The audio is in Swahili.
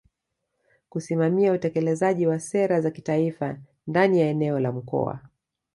kusimamia utekelezaji wa sera za kitaifa ndani ya eneo la Mkoa